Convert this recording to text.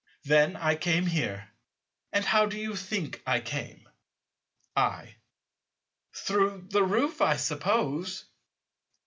Then I came here, and how do you think I came? I. Through the roof, I suppose.